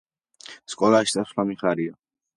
სკოლაში წასვლა მიხარია